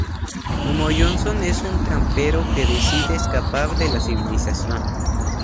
Como Johnson, es un trampero que decide escapar de la civilización.